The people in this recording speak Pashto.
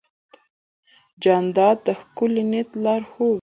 جانداد د ښکلي نیت لارښود دی.